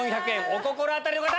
お心当たりの方！